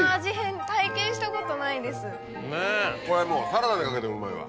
これもうサラダにかけてもうまいわ。